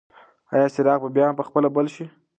ایا څراغ به بیا په خپله بل شي؟